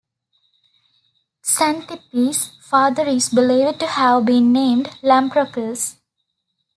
Xanthippe's father is believed to have been named Lamprocles.